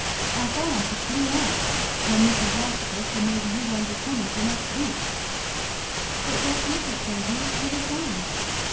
I thought I should clear out, when Mis' Rossitur said maybe you wa'n't a coming till next week." "But what is it Barby? what is wrong?"